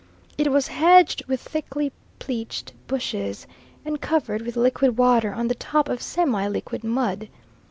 It was hedged with thickly pleached bushes, and covered with liquid water on the top of semi liquid mud.